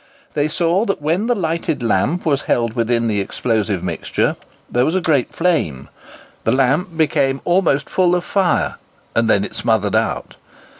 They saw that when the lighted lamp was held within the explosive mixture, there was a great flame; the lamp became almost full of fire; and then it smothered out.